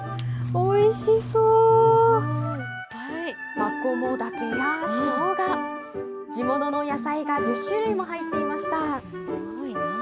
マコモダケやショウガ、地物の野菜が１０種類も入っていました。